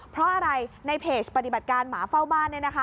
เพราะอะไรในเพจปฏิบัติการหมาเฝ้าบ้าน